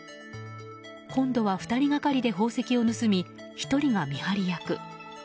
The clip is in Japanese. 今度は２人がかりで宝石を盗み１人が見張り役。